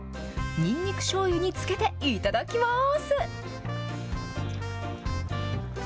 にんにくしょうゆにつけて頂きます。